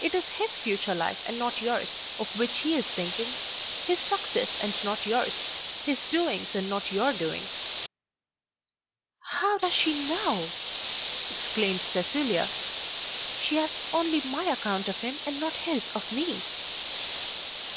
It is his future life and not yours of which he is thinking, his success and not yours, his doings and not your doings." "How does she know?" exclaimed Cecilia. "She has only my account of him, and not his of me."